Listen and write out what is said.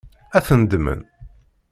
Ad ten-ddmen?